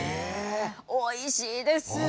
おいしいです。